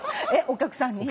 お客さんに。